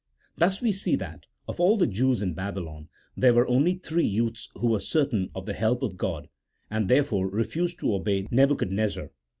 Thus we see that, of all the Jews in Babylon, there were only three youths who were certain of the help of God, and, therefore, refused to obey Nebuchadnezzar.